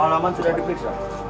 pak laman sudah dekit san